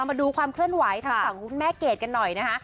มาดูความเคลื่อนไหวทางฝั่งคุณแม่เกดกันหน่อยนะคะ